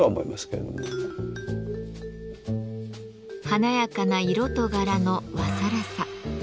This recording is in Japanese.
華やかな色と柄の和更紗。